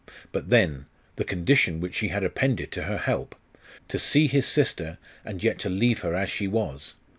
But then the condition which she had appended to her help! To see his sister, and yet to leave her as she was!